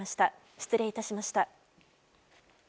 失礼致しました。